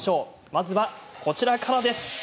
まずは、こちらからです。